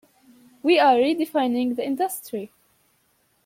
We are redefining the industry.